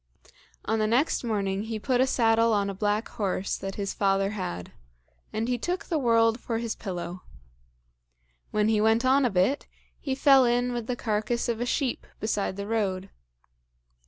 On the next morning he put a saddle on a black horse that his father had, and he took the world for his pillow. When he went on a bit, he fell in with the carcass of a sheep beside the road.